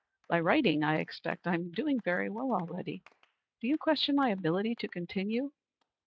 By writing I expect. I am doing very well already. Do you question my ability to continue?"